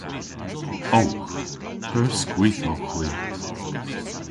Owgh. Pur skwith owgh hwi.